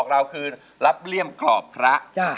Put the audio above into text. รับเลี่ยงขอบพระ